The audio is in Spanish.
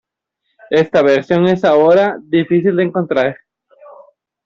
Esta versión es ahora, difícil de encontrar.